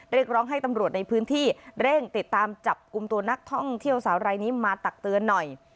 เรียกร้องให้ตำรวจในพื้นที่เร่งติดตามจับกลุ่มตัวนักท่องเที่ยวสาวรายนี้มาตักเตือนหน่อย